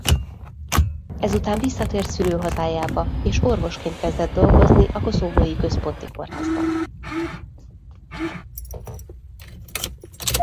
Ezután visszatért szülőhazájába és orvosként kezdett dolgozni a koszovói központi kórházban.